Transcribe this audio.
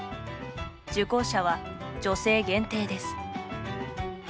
受講者は女性限定です。